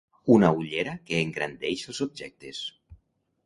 Una ullera que engrandeix els objectes.